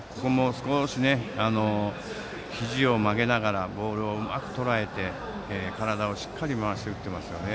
少しひじを曲げながらボールをうまくとらえて体をしっかり回して打っていますね。